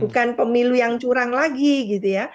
bukan pemilu yang curang lagi gitu ya